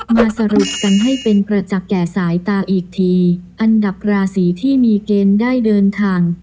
มาสรุปกันให้เป็นประจักษ์แก่สายตาอีกทีอันดับราศีที่มีเกณฑ์ได้เดินทาง